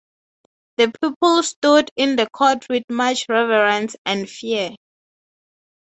The people stood in the court with much reverence and fear.